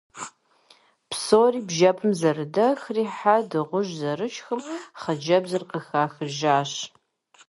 Псори бжьэпэм зэрыдэхри, хьэ, дыгъужь зэрышхым хъыджэбзыр къыхахыжащ.